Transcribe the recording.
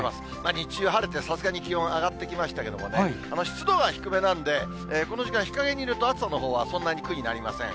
日中、晴れてさすがに気温上がってきましたけどもね、湿度が低めなんで、この時間、日陰にいると、暑さのほうはそんなに苦になりません。